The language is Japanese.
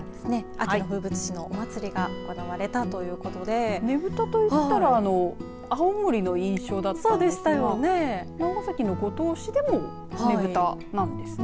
秋の風物詩のお祭りが行われたということでねぶたと言ったら青森の印象だったんですが長崎の五島市でもねぶたなんですね。